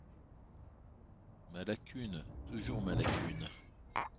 Ma lacune ! toujours ma lacune !…